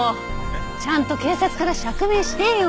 ちゃんと警察から釈明してよ！